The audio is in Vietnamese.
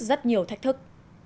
rất nhiều thách thức